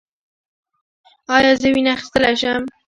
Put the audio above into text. ایا زه وینه اخیستلی شم؟